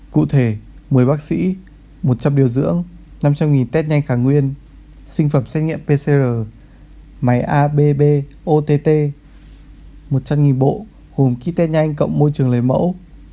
cụ thể một mươi bác sĩ một trăm linh điều dưỡng năm trăm linh test nhanh khả nguyên sinh phẩm xét nghiệm pcr máy abb ott một trăm linh bộ gồm ký test nhanh cộng môi trường lấy mẫu